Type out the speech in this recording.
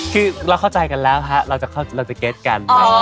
คือเราเข้าใจกันแล้วฮะเราจะเก็ตกัน